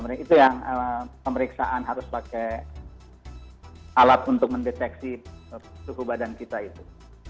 itu yang pemeriksaan harus pakai alat untuk mendeteksi suhu badan kita itu